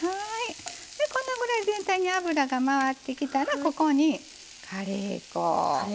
このぐらい全体に油が回ってきたらここにカレー粉。